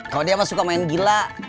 kalau dia mah suka main gila